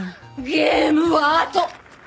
ゲームはあと！